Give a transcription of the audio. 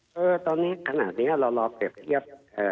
ก็ตอนนี้ขณะเนี่ยเรารอประเภท